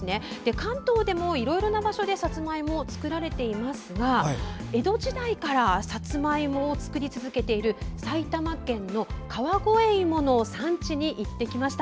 関東でもいろいろな場所でさつまいもが作られていますが江戸時代からさつまいもを作り続けている埼玉県の川越いもの産地に行ってきました。